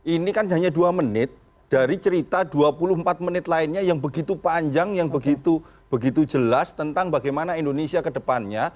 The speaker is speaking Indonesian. ini kan hanya dua menit dari cerita dua puluh empat menit lainnya yang begitu panjang yang begitu jelas tentang bagaimana indonesia kedepannya